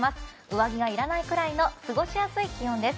上着が要らないぐらいの過ごしやすい気温です。